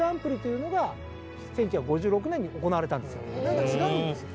何か違うんですよね。